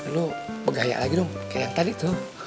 lu pegaya lagi dong kayak yang tadi tuh